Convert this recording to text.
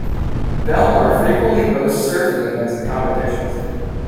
Belmar frequently hosts surfing events and competitions.